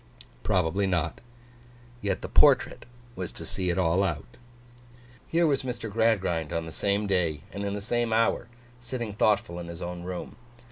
Probably not. Yet the portrait was to see it all out. Here was Mr. Gradgrind on the same day, and in the same hour, sitting thoughtful in his own room.